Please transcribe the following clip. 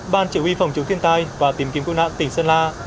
ban chỉ huy phòng chống thiên tai và tìm kiếm cứu nạn tỉnh sơn la